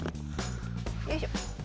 よいしょ。